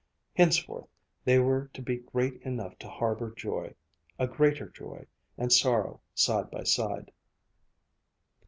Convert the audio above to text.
Henceforth they were to be great enough to harbor joy a greater joy and sorrow, side by side.